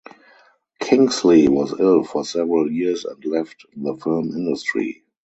Kingsley was ill for several years and left the film industry.